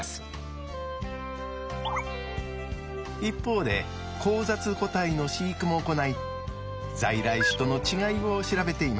一方で交雑個体の飼育も行い在来種との違いを調べています。